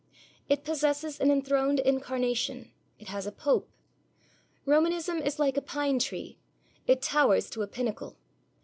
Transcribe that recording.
It possesses an enthroned incarnation. It has a Pope. Romanism is like a pine tree. It towers to a pinnacle.